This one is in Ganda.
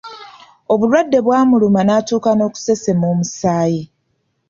Obulwadde bw’amuluma n’atuuka n’okusesema omusaayi.